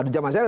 di zaman saya